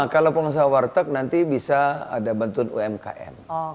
kalau pengusaha warteg nanti bisa ada bentuk umkm